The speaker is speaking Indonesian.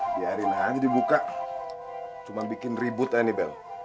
biarin aja dibuka cuma bikin ribut aja nih bel